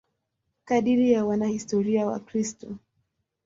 Kadiri ya wanahistoria Wakristo.